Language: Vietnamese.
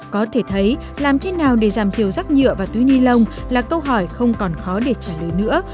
có thể thấy làm thế nào để giảm thiểu rác nhựa và túi ni lông là câu hỏi không còn khó để trả lời nữa